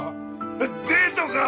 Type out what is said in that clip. えっデートか？